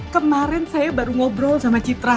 kemarin saya baru ngobrol sama citra